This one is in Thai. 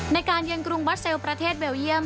ในการเยือนกรุงบัสเซลประเทศเบลเยี่ยม